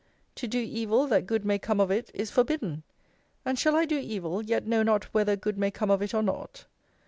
To do evil, that good may come of it, is forbidden: And shall I do evil, yet know not whether good may come of it or not?